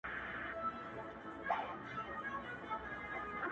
غرغړې ته چي ورځمه د منصور سره مي شپه وه -